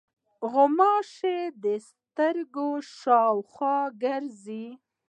غوماشې د سترګو شاوخوا ګرځي.